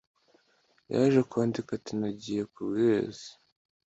yaje kwandika ati nagiye kubwiriza